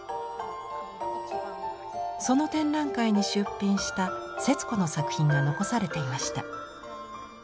その展覧会に出品した節子の作品が残されていました。